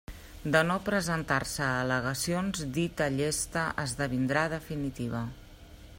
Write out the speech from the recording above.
De no presentar-se al·legacions dita llesta esdevindrà definitiva.